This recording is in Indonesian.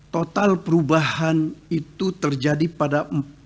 total perubahan itu terjadi pada empat